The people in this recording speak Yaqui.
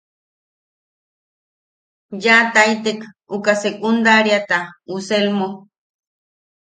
Yaʼataitek uka secundariata uʼu Selmo.